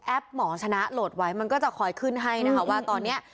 หมอชนะโหลดไว้มันก็จะคอยขึ้นให้นะคะว่าตอนนี้